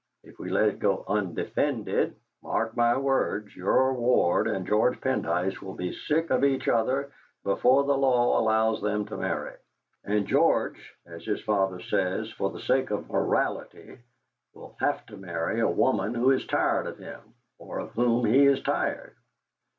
If we let it go undefended, mark my words, your ward and George Pendyce will be sick of each other before the law allows them to marry, and George, as his father says, for the sake of '.orality,' will have to marry a woman who is tired of him, or of whom he is tired.